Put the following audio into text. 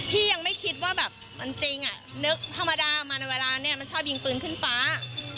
พี่ยังไม่คิดว่าแบบจริงนะนึกภาษามาเดินเวลาชอบยิงปืนขึ้นฟ้า